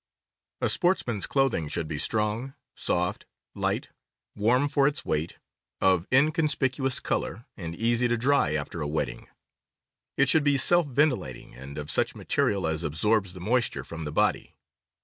A sportsman's clothing should be strong, soft, light, warm for its weight, of inconspicuous color, and easy to dry after a wetting. It should be self ventilating, and of such material as absorbs the moisture from the body.